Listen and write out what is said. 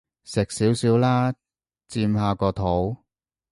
食少少啦，墊下個肚